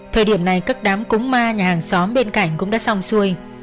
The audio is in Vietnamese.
thời điểm này các đám cúng ma nhà hàng xóm bên cạnh cũng đã xong xuôi